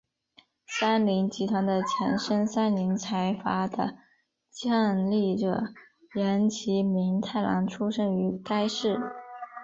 三菱集团的前身三菱财阀的创立者岩崎弥太郎出身于该市。